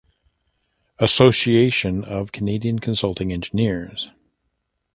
Association of Canadian Consulting Engineers.